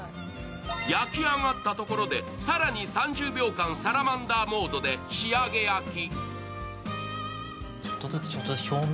焼き上がったところで更に３０秒間サラマンダーモードで仕上げ焼き。